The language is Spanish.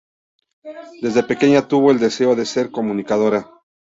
Desde pequeña tuvo el deseo de ser comunicadora.